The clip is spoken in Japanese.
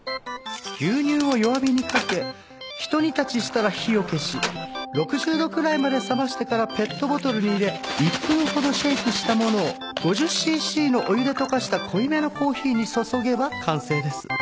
牛乳を弱火にかけひと煮立ちしたら火を消し６０度くらいまで冷ましてからペットボトルに入れ１分ほどシェイクしたものを５０シーシーのお湯で溶かした濃いめのコーヒーに注げば完成です。